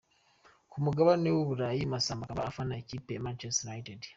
Ku mugabane w’u Burayi Massamba akaba afana ikipe ya Manchester United.